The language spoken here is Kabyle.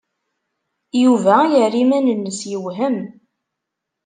Yuba yerra iman-nnes yewhem.